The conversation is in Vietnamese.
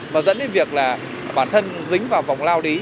và dẫn đến việc là bản thân dính vào vòng lao đí